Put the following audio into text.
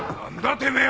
てめえは。